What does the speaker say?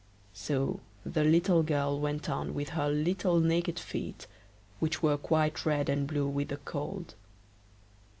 So the little girl went on with her little naked feet, which were quite red and blue with the cold.